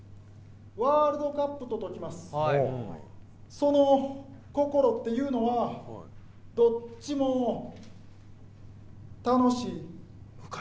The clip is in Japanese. その心というのはどっちも楽しい。